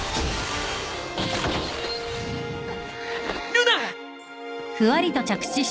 ルナ！